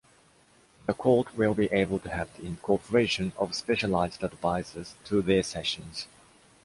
The court will be able to have the incorporation of specialized advisers to their sessions.